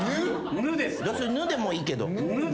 「ぬ」でもいいけど。